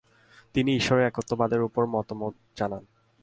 তিনি ঈশ্বরের একত্ববাদের উপর মতামত জানান।